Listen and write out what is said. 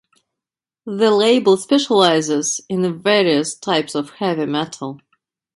The label specializes in various types of heavy metal.